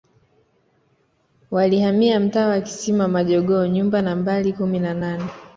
Walihamia mtaa wa Kisima majongoo nyumba Nambari kumi na nane